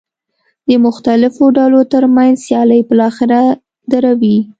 د مختلفو ډلو ترمنځ سیالۍ بالاخره دروي.